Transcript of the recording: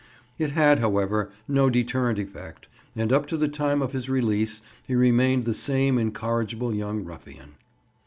It had, however, no deterrent effect, and up to the time of his release he remained the same incorrigible young ruffian.